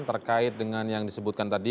terkait dengan yang disebutkan tadi